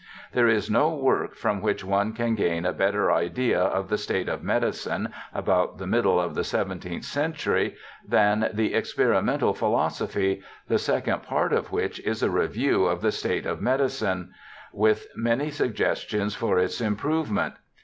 There is no work from which one can gain a better idea of the state of medicine about the middle of the seventeenth century than the Experimental Philosophy, the second part of which is a review of the state of medicine with many suggestions for its improvement.